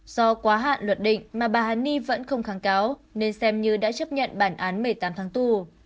do quá hạn luật định mà bà hà ni vẫn không kháng cáo nên xem như đã chấp nhận bản án một mươi tám tháng tù